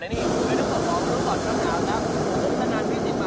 และนี่ให้ทุกคนพร้อมรู้ก่อนข้างล่างนะ